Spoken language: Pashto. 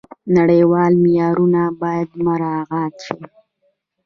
نړیوال معیارونه باید مراعات شي.